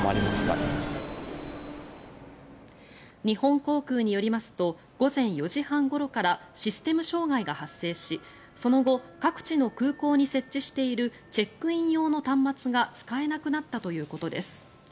日本航空によりますと午前４時半ごろからシステム障害が発生し、その後各地の空港に設置しているチェックイン用の端末が使えなくなったということです。